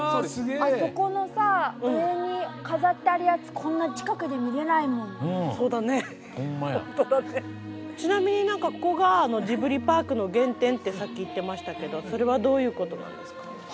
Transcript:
あそこのさ上に飾ってあるやつちなみにここがジブリパークの原点ってさっき言ってましたけどそれはどういう事なんですか？